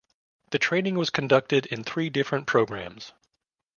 The training was conducted in three different programs.